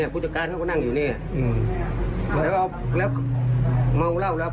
ผู้จัดการเขาก็นั่งอยู่นี่แล้วก็เมาเหล้าแล้ว